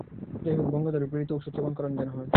যাহা হউক, গঙ্গাধরের প্রেরিত ঔষধ সেবন করান যেন হয়।